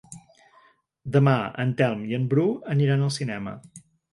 Demà en Telm i en Bru aniran al cinema.